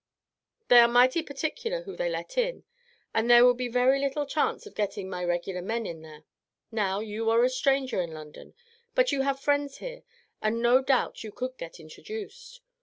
They are mighty particular who they let in, and there would be very little chance of getting my regular men in there. Now, you are a stranger in London, but you have friends here, and no doubt you could get introduced.